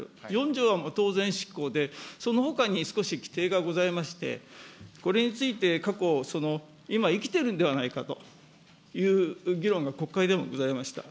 ４条は当然失効で、そのほかに少し規定がございまして、これについては過去、今生きているんではないかという議論が国会でもございました。